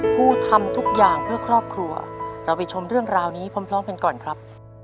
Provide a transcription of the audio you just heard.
ผู้ทำทุกอย่างเพื่อครอบครัวเราไปชมเรื่องราวนี้พร้อมกันก่อนครับ